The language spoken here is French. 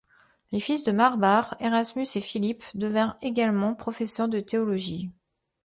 Les fils de Marbach, Erasmus et Philippe, devinrent également professeurs de théologie.